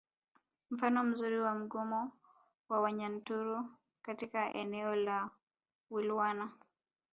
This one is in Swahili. Mfano mzuri wa mgomo wa Wanyaturu katika eneo la Wilwana